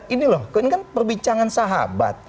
ini loh ini kan perbincangan sahabat